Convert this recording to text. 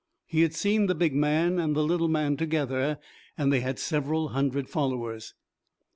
He had seen the big man and the little man together and they had several hundred followers.